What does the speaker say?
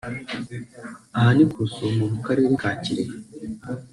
Aha ni ku Rusumo mu Karere ka Kirehe